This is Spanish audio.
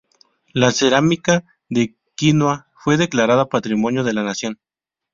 La cerámica de Quinua fue declarada Patrimonio de la Nación.